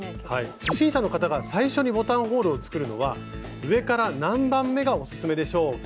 初心者の方が最初にボタンホールを作るのは上から何番目がオススメでしょうか？